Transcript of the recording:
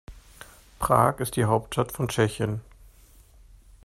Prag ist die Hauptstadt von Tschechien.